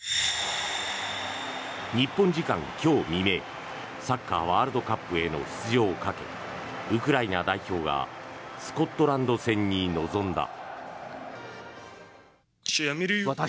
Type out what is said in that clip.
日本時間今日未明サッカーワールドカップへの出場をかけ、ウクライナ代表がスコットランド戦に臨んだ。